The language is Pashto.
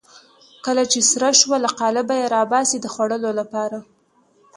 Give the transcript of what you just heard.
کله چې سره شوه له قالبه یې راباسي د خوړلو لپاره.